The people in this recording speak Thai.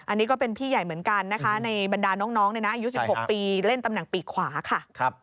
อันนี้ก็เป็นพี่ใหญ่เหมือนกันนะคะในบรรดาน้องอายุ๑๖ปีเล่นตำแหน่งปีกขวาค่ะ